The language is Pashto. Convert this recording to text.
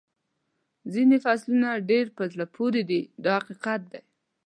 ځینې فصلونه یې ډېر په زړه پورې دي دا حقیقت دی.